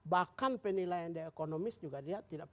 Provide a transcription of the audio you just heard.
bahkan penilaian dia ekonomis juga dia tidak